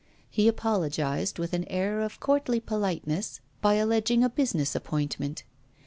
He apologised with an air of courtly politeness, by alleging a business appointment.